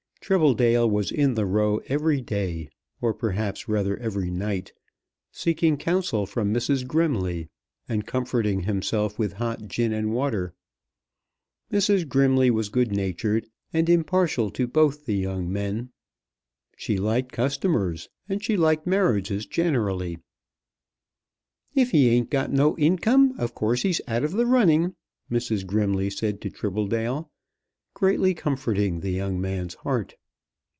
Tribbledale was in the Row every day, or perhaps rather every night; seeking counsel from Mrs. Grimley, and comforting himself with hot gin and water. Mrs. Grimley was good natured, and impartial to both the young men. She liked customers, and she liked marriages generally. "If he ain't got no income of course he's out of the running," Mrs. Grimley said to Tribbledale, greatly comforting the young man's heart.